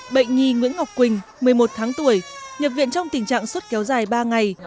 bệnh nhi nguyễn ngọc quỳnh một mươi một tháng tuổi nhập viện trong tình trạng suốt kéo dài ba ngày